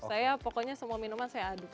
saya pokoknya semua minuman saya aduk